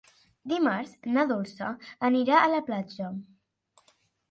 Dimarts na Dolça anirà a la platja.